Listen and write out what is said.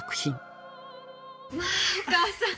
まあお母さん。